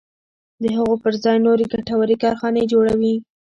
د هغو پر ځای نورې ګټورې کارخانې جوړوي.